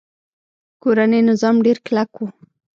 کورنۍ نظام ډیر کلک و